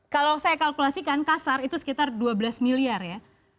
kalau saya kalkulasikan kasar itu sekitar dua belas miliar ya